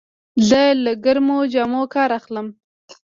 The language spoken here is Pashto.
زه له ګرمو جامو کار اخلم.